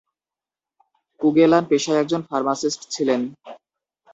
কুগেলান পেশায় একজন ফার্মাসিস্ট ছিলেন।